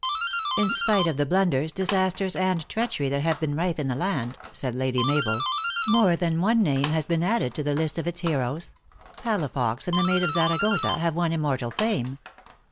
"" In spite of the blunders, disasters, and treachery that have been rife in the land," said Lady Mabel, " more than one name has been added to the list of its heroes Palafox and the Maid of Zaragoza have won immortal fame."